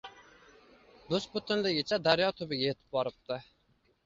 Bus-butunligicha daryo tubiga yetib boribdi